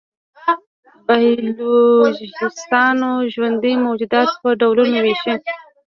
بایولوژېسټان ژوندي موجودات په ډولونو وېشي.